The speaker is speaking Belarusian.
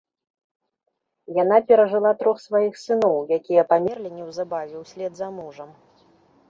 Яна перажыла трох сваіх сыноў, якія памерлі неўзабаве ўслед за мужам.